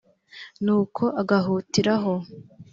“Nuko agahutiraho